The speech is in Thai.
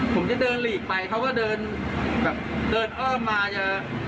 ผมจะเดินหลีกไปเค้าก็เดินอ้อมมาจะ